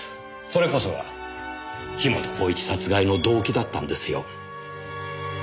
それこそが樋本晃一殺害の動機だったんですよ。